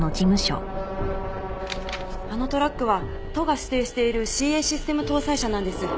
あのトラックは都が指定しているＣＡシステム搭載車なんです。